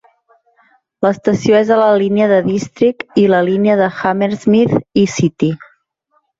L'estació és a la línia de District i la línia de Hammersmith i City.